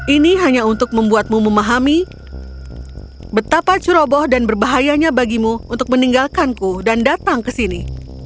ini hanya untuk membuatmu memahami betapa ceroboh dan berbahayanya bagimu untuk meninggalkanku dan datang ke sini